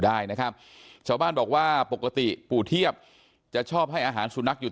ได้นะครับชาวบ้านบอกว่าปกติปู่เทียบจะชอบให้อาหารสุนัขอยู่